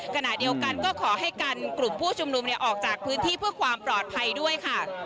ขณะเดียวกันก็ขอให้กันกลุ่มผู้ชุมนุมออกจากพื้นที่เพื่อความปลอดภัยด้วยค่ะ